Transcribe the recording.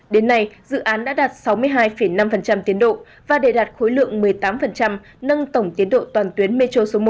đến nay dự án đã đạt sáu mươi hai năm tiến độ và đề đạt khối lượng một mươi tám nâng tổng tiến độ toàn tuyến metro số một